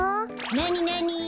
なになに？